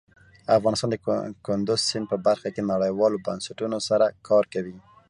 افغانستان د کندز سیند په برخه کې نړیوالو بنسټونو سره کار کوي.